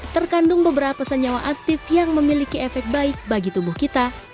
terkandung beberapa senyawa aktif yang memiliki efek baik bagi tubuh kita